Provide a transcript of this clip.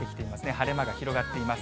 晴れ間が広がっています。